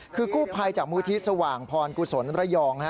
คือกู้ภัยจากมูลที่สว่างพรกุศลระยอง